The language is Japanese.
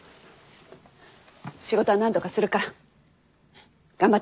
仕事はなんとかするから。頑張って。